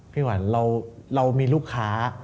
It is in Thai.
วันเรามีลูกค้า